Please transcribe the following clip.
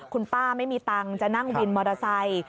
คุณป้าไม่มีตังค์จะนั่งวินมอเตอร์ไซค์